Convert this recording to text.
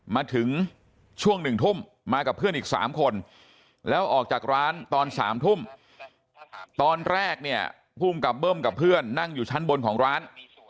มาถึงช่วง๑ทุ่มมากับเพื่อนอีก๓คนแล้วออกจากร้านตอน๓ทุ่มตอนแรกเนี่ยภูมิกับเบิ้มกับเพื่อนนั่งอยู่ชั้นบนของร้าน